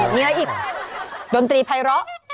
เนี่ยอีกดนตรีไพร้ร้อ